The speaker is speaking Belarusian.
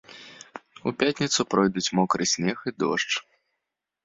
У пятніцу пройдуць мокры снег і дождж.